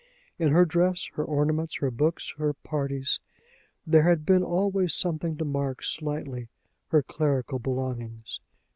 In her dress, her ornaments, her books, her parties, there had been always something to mark slightly her clerical belongings.